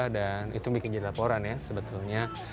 dan itu bikin jadi laporan ya sebetulnya